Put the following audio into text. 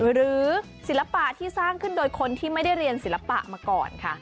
ศิลปะที่สร้างขึ้นโดยคนที่ไม่ได้เรียนศิลปะมาก่อนค่ะ